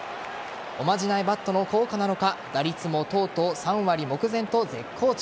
おまじないバットの効果なのか打率もとうとう３割目前と絶好調。